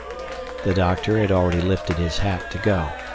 The doctor had already lifted his hat to go.